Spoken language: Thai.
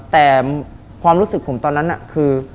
แต่ความรู้สึกผมตอนนั้นคือ